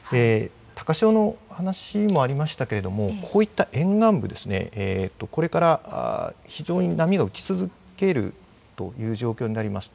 高潮の話もありましたけれども、こういった沿岸部ですね、これから非常に波が打ち続けるという状況になります。